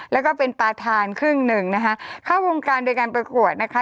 แล้วก็เป็นประธานครึ่งหนึ่งนะคะเข้าวงการโดยการประกวดนะคะ